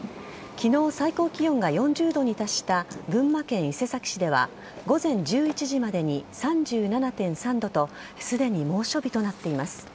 昨日、最高気温が４０度に達した群馬県伊勢崎市では午前１１時までに３７．３度とすでに猛暑日となっています。